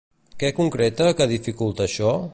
Què concreta que dificulta això?